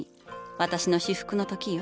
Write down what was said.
私の至福の時よ。